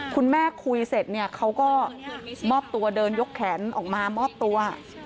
คุณแม่คุยเสร็จเนี่ยเขาก็มอบตัวเดินยกแขนออกมามอบตัว